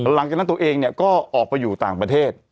หลังจากนั้นตัวเองเนี่ยก็ออกไปอยู่ต่างประเทศ